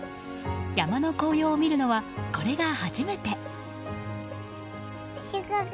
山の紅葉を見るのはこれが初めて。